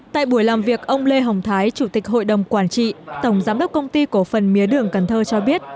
tại buổi làm việc ông lê hồng thái chủ tịch hội đồng quản trị tổng giám đốc công ty cổ phần mía đường cần thơ cho biết